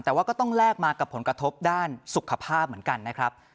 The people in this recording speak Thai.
แต่ว่าก็ต้องแลกมากับผลกระทบด้านสุขภาพเหมือนกันนะครับ